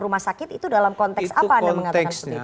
rumah sakit itu dalam konteks apa anda mengatakan